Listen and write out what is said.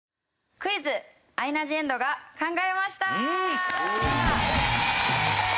「クイズアイナ・ジ・エンドが考えました」。